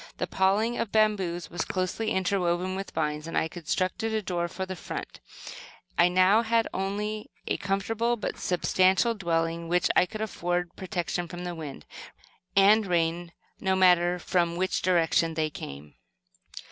The paling of bamboos was closely interwoven with vines, and I constructed a door for the front. I now had not only a comfortable but a substantial dwelling, which would afford protection from the wind and rain, no matter from which direction they came.